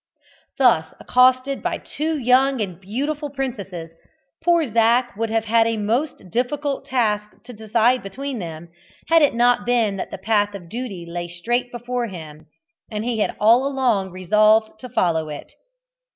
Thus accosted by two young and beautiful princesses, poor Zac would have had a most difficult task to decide between them, had it not been that the path of duty lay straight before him, and he had all along resolved to follow it.